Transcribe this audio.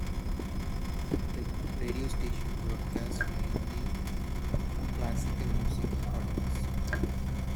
The radio station broadcast mainly classical music recordings.